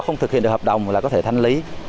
không thực hiện được hợp đồng là có thể thanh lý